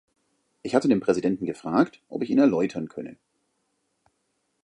Ich hatte den Präsidenten gefragt, ob ich ihn erläutern könne.